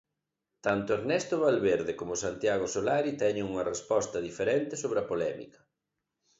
Tanto Ernesto Valverde como Santiago Solari teñen unha resposta diferente sobre a polémica.